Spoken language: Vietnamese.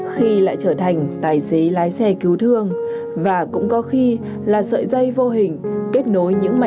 khi lại trở thành tài xế lái xe kỷ niệm